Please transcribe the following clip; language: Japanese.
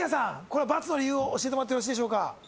これ×の理由を教えてもらってよろしいでしょうか？